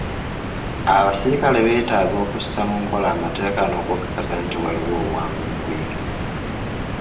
Abaserikale beetaaga okussa mu nkola amateeka n'okukakasa nti waliwo obwangu mu kuyiga.